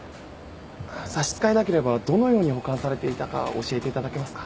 差し支えなければどのように保管されていたか教えていただけますか？